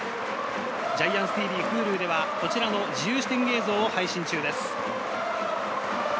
ＧＩＡＮＴＳＴＶ、Ｈｕｌｕではこちらの自由視点映像を配信中です。